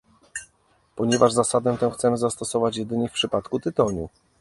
Ponieważ zasadę tę chcemy zastosować jedynie w przypadku tytoniu